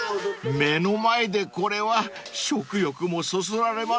［目の前でこれは食欲もそそられますね］